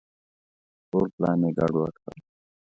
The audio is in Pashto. ټول پلان یې ګډ وډ کړ.